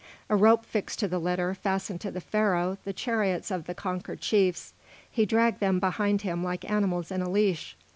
A rope fixed to the litter, fastened to the Pharaoh the chariots of the conquered chiefs. He dragged them behind him like animals in a leash.